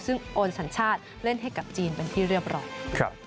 ซึ่งโอนสัญชาติเล่นให้กับจีนเป็นที่เรียบร้อย